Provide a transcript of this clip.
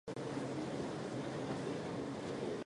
彼は今吾輩の輪廓をかき上げて顔のあたりを色彩っている